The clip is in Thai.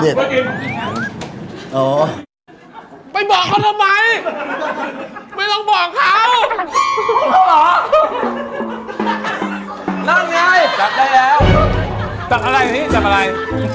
ได้ออกไปบอกเขาทำไมไม่ต้องบอกเขานั่งไงจับได้แล้วจับอะไรที่จับอะไร